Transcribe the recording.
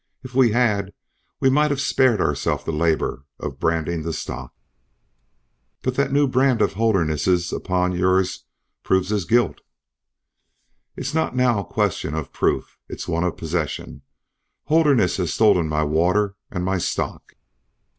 "If we had we might have spared ourselves the labor of branding the stock." "But that new brand of Holderness's upon yours proves his guilt." "It's not now a question of proof. It's one of possession. Holderness has stolen my water and my stock."